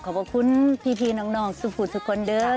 ขอบคุณพี่น้องสุภูทุกคน